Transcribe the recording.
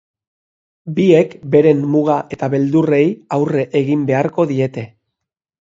Biek beren muga eta beldurrei aurre egin beharko diete.